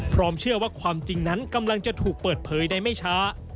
เชื่อว่าความจริงนั้นกำลังจะถูกเปิดเผยได้ไม่ช้า